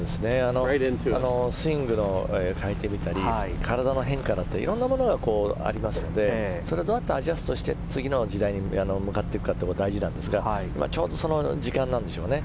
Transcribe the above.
スイングを変えてみたり体の変化だったりいろいろなものがありますのでそれをどうやってアジャストして次の時代に向かっていくかが大事ですがちょうどその時間なんでしょうね。